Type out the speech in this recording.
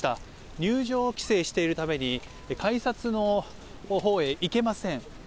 入場規制しているために改札のほうへ行けません。